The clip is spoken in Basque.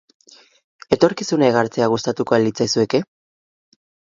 Etorkizuna igartzea gustatuko al litzaizueke?